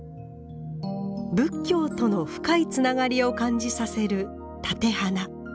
仏教との深いつながりを感じさせる立て花。